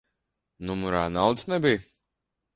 Numurā naudas nebija?